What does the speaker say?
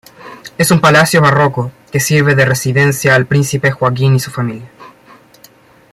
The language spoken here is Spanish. Es un palacio barroco que sirve de residencia al príncipe Joaquín y su familia.